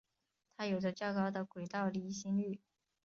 它有着较高的轨道离心率。